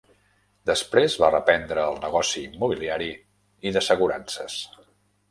Després va reprendre el negoci immobiliari i d'assegurances.